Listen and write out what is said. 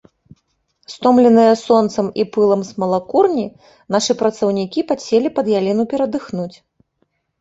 Стомленыя сонцам і пылам смалакурні, нашы працаўнікі падселі пад яліну перадыхнуць.